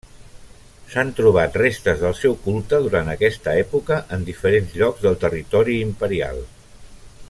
S'han trobat restes del seu culte durant aquesta època en diferents llocs del territori imperial.